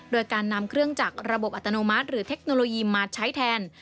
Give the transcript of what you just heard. โดยการนำเครื่องจักรระบบอัตโนมัติหรือเทคโนโลยีมาใช้แทน